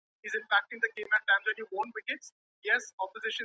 د بریا لاره یوازي د تکړه خلګو لپاره نه سي هوارېدای.